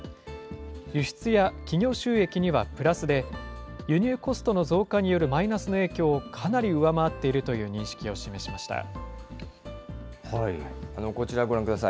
輸出や企業収益にはプラスで、輸入コストの増加によるマイナスの影響をかなり上回っているといこちらご覧ください。